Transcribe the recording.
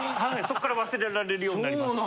そっから忘れられるようになります。